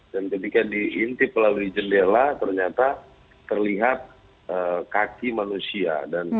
dan ketika diintip melalui jendela ternyata terlihat kaki manusia